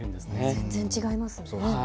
全然、違いますね。